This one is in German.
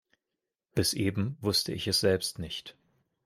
Bis eben wusste ich es selbst nicht.